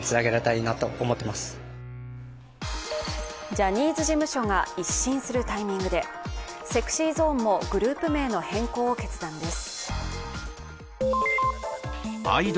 ジャニーズ事務所が一新するタイミングでＳｅｘｙＺｏｎｅもグループ名の変更を決断です。